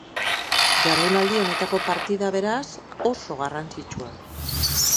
Jardunaldi honetako partida, beraz, oso garrantzitsua.